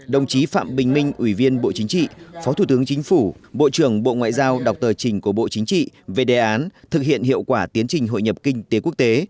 đồng chí phạm bình minh ủy viên bộ chính trị phó thủ tướng chính phủ bộ trưởng bộ ngoại giao đọc tờ trình của bộ chính trị về đề án thực hiện hiệu quả tiến trình hội nhập kinh tế quốc tế